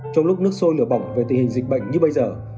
trong lúc nước sôi lửa bỏng về tình hình dịch bệnh như bây giờ